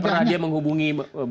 nggak pernah dia menghubungi bapak